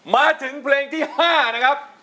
มาถึงเพลงที่๕นะครับ